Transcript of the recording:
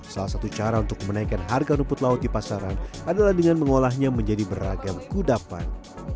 salah satu cara untuk menaikkan harga rumput laut di pasaran adalah dengan mengolahnya menjadi beragam kudapan